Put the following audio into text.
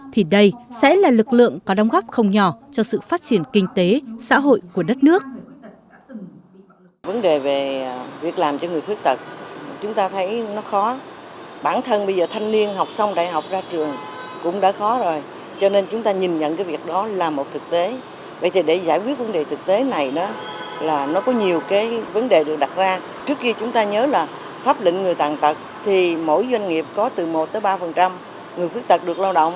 thì đây sẽ là lực lượng có đóng góp không nhỏ cho sự phát triển kinh tế xã hội của đất nước